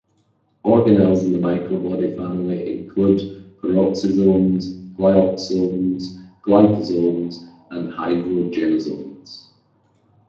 Organelles in the microbody family include peroxisomes, glyoxysomes, glycosomes and hydrogenosomes.